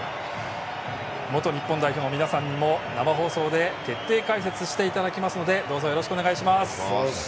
元日本代表の皆さんにも生放送で徹底解説していただきますのでよろしくお願いいたします。